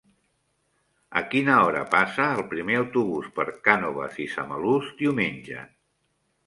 A quina hora passa el primer autobús per Cànoves i Samalús diumenge?